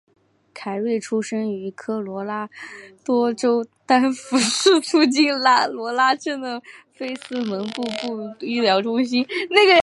凯瑞出生于科罗拉多州丹佛市附近爱罗拉镇的菲兹蒙斯部队医疗中心。